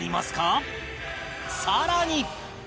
さらに